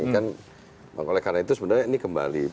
kan oleh karena itu sebenarnya ini kembali